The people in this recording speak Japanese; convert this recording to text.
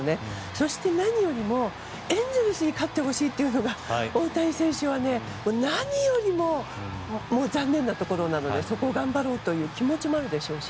そして、何よりエンゼルスに勝ってほしいというのが大谷選手は何よりも残念なところなのでそこを頑張ろうという気持ちもあるでしょうし。